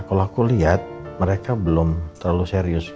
kalau aku lihat mereka belum terlalu serius